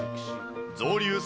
造立